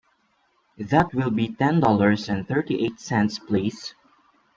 That will be ten dollars and thirty-eight cents please.